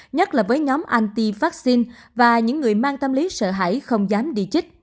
nhất là với nhóm anti vaccine và những người mang tâm lý sợ hãi không dám đi chích